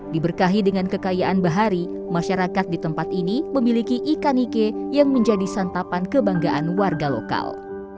diberkahi dengan kekayaan bahari masyarakat di tempat ini memiliki ikan ike yang menjadi santapan kebanggaan warga lokal